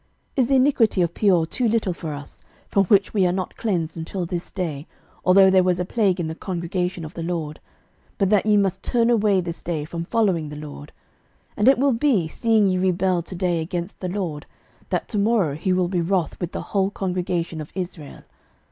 06:022:017 Is the iniquity of Peor too little for us, from which we are not cleansed until this day, although there was a plague in the congregation of the LORD, 06:022:018 But that ye must turn away this day from following the LORD? and it will be, seeing ye rebel to day against the LORD, that to morrow he will be wroth with the whole congregation of Israel.